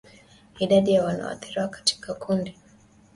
Idadi ya wanaoathiriwa katika kundi